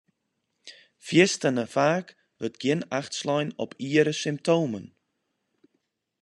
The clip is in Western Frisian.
Fierstente faak wurdt gjin acht slein op iere symptomen.